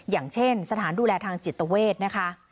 อย่างเช่นสถานดูแลทางจิตเวทนะคะ